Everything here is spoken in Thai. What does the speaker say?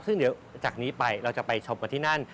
ซึ่งเดี๋ยวจากนี้ไปเราจะไปชมกันที่นั่น